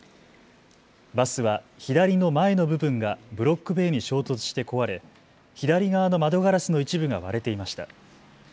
バスは左の前の部分がブロック塀に衝突して壊れ左側の窓ガラスの一部が割れていました。